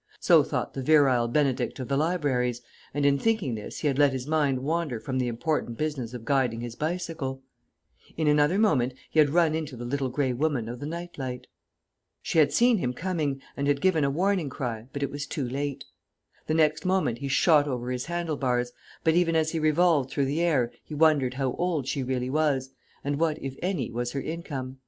So thought the Virile Benedict of the Libraries, and in thinking this he had let his mind wander from the important business of guiding his bicycle! In another moment he had run into the Little Grey Woman of the Night Light! She had seen him coming and had given a warning cry, but it was too late. The next moment he shot over his handle bars; but even as he revolved through the air he wondered how old she really was, and what, if any, was her income.